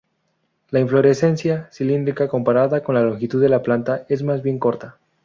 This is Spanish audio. La inflorescencia, cilíndrica, comparada con la longitud de la planta es más bien corta.